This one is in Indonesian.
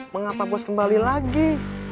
mengapa bos kembali lagi